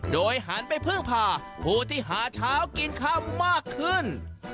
โดยหันไปพึ่งพาผู้ที่หาเช้ากินค่ำมากขึ้น